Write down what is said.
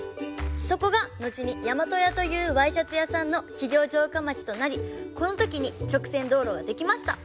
そこが後に大和屋というワイシャツ屋さんの企業城下町となりこのときに直線道路が出来ました。